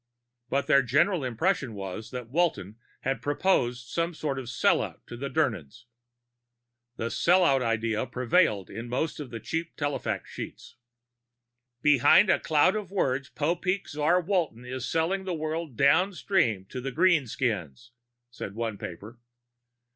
But their general impression was that Walton had proposed some sort of sellout to the Dirnans. The sellout idea prevailed in most of the cheap telefax sheets. "Behind a cloud of words, Popeek czar Walton is selling the world downstream to the greenskins," said one paper.